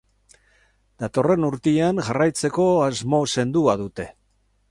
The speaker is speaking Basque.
Datorren urtean jarraitzeko asmo sendoa dute.